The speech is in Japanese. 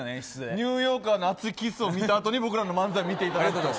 ニューヨーカーの熱いキスを見たあとに僕らの漫才を見ていただく。